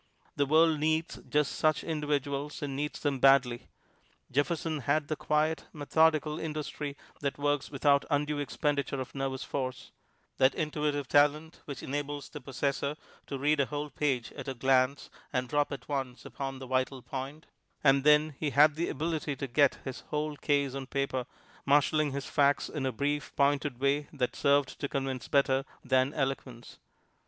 The world needs just such individuals and needs them badly. Jefferson had the quiet, methodical industry that works without undue expenditure of nervous force; that intuitive talent which enables the possessor to read a whole page at a glance and drop at once upon the vital point; and then he had the ability to get his whole case on paper, marshaling his facts in a brief, pointed way that served to convince better than eloquence.